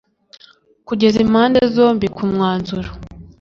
- kugeza impande zombi ku mwanzuro.